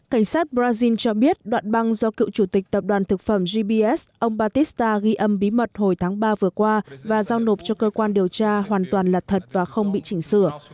cảnh sát brazil cho biết đoạn băng do cựu chủ tịch tập đoàn thực phẩm gbs ông batista ghi âm bí mật hồi tháng ba vừa qua và giao nộp cho cơ quan điều tra hoàn toàn là thật và không bị chỉnh sửa